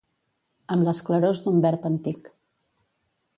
Amb les clarors d'un verb antic.